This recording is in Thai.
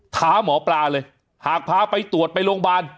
ท้าหมอปลาเลยหากพาไปตรวจไปโรงพยาบาล